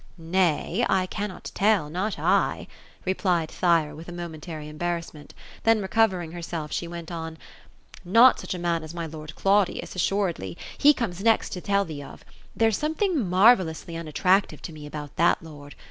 " Nay, I cannot tell, not I," replied Thyra, with a momentary embar* rassment ; then recovering herself, she went on :" Not such a man as my lord Claudius, assuredly. He comes next to tell thee of There's something marvellously unattractive to me, about that lord.